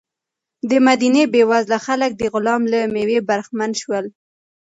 د مدینې بېوزله خلک د غلام له مېوې برخمن شول.